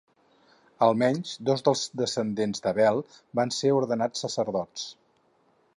Almenys dos dels descendents d'Abel van ser ordenats sacerdots.